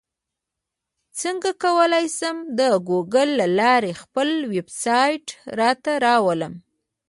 څنګه کولی شم د ګوګل له لارې خپل ویبسایټ راته راولم